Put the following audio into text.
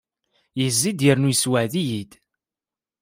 Yezzi-d yernu yessewɛed-iyi-d.